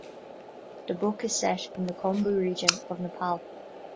The book is set in the Khumbu region of Nepal.